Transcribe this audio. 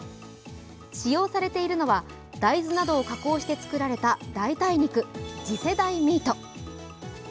使用されているのは大豆などを加工して作られた代替肉、次世代ミート。